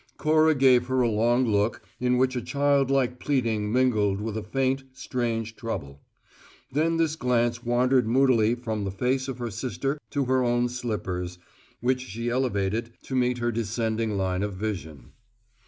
Cora gave her a long look in which a childlike pleading mingled with a faint, strange trouble; then this glance wandered moodily from the face of her sister to her own slippers, which she elevated to meet her descending line of vision.